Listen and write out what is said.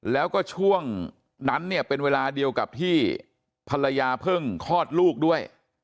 แล้วก็ช่วงนั้นเนี่ยเป็นเวลาเดียวกับที่ภรรยาเพิ่งคลอดลูกด้วย